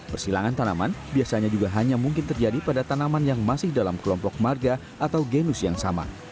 persilangan tanaman biasanya juga hanya mungkin terjadi pada tanaman yang masih dalam kelompok marga atau genus yang sama